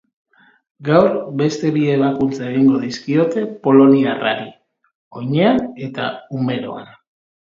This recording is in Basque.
Gaur beste bi ebakuntza egingo dizkiote poloniarrari, oinean eta humeroan.